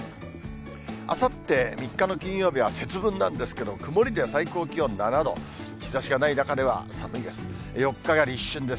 あさって３日の金曜日は節分なんですけど、曇りで最高気温７度、日ざしがない中では寒いです。